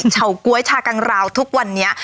เฉาก๊วยชากังราวทุกวันนี้